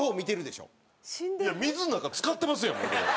いや水の中浸かってますやんこれ。